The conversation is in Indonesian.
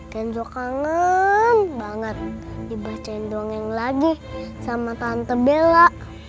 kenzo kangen banget dibacain dongeng lagi sama tante bella